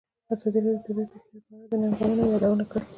ازادي راډیو د طبیعي پېښې په اړه د ننګونو یادونه کړې.